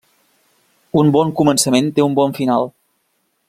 Un bon començament té un bon final.